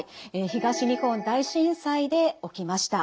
東日本大震災で起きました。